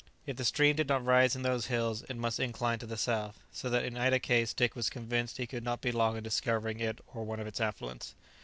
If the stream did not rise in those hills it must incline to the south, so that in either case Dick was convinced he could not be long in discovering it or one of its affluents.